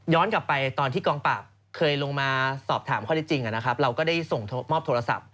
ย้อนกลับไปตอนที่กองปาร์บเคยลงมาสอบถามข้อที่จริงอะนะครับ